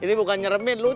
ini bukan nyeremen lucu